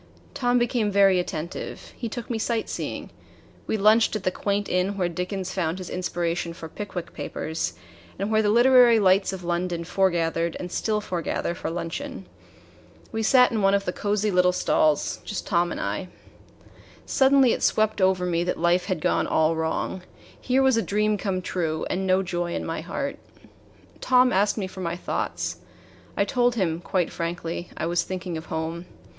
Tom became very attentive. He took me sightseeing. We lunched at the quaint inn where Dickens found his inspiration for "Pickwick Papers" and where the literary lights of London foregathered and still foregather for luncheon. We sat in one of the cozy little stalls just Tom and I. Suddenly it swept over me that life had gone all wrong. Here was a dream come true, and no joy in my heart. Tom asked me for my thoughts. I told him, quite frankly, I was thinking of home.